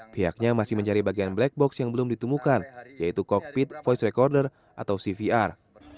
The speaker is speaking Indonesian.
pihaknya masih mencari bagian black box yang belum ditemukan yaitu cockpit voice recorder atau cvr